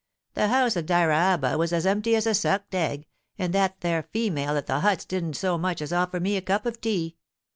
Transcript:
The house at Dyraaba was as empty as a sucked egg, and that there female at the huts didn't so much as offer me a cup of tea.